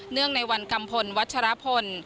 เนื่องในวันกำพลวัชรพล